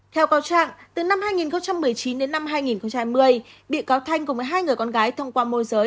theo cáo trạng từ năm hai nghìn một mươi chín đến năm hai nghìn hai mươi bị cáo thanh cùng với hai người con gái thông qua môi giới